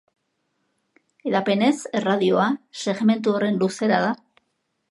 Hedapenez erradioa segmentu horren luzera da.